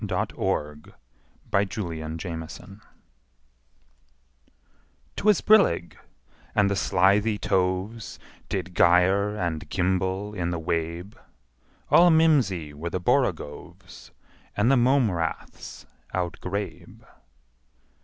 Lewis Carroll Jabberwocky 'TWAS brillig, and the slithy toves Did gyre and gimble in the wabe: All mimsy were the borogoves, And the mome raths outgrabe.